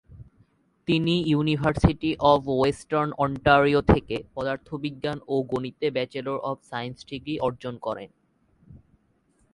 তিনি University of Western Ontario থেকে পদার্থবিজ্ঞান ও গণিতে ব্যাচেলর অব সায়েন্স ডিগ্রি অর্জন করেন।